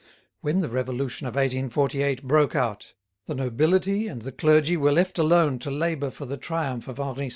When the Revolution of 1848 broke out, the nobility and the clergy were left alone to labour for the triumph of Henri V.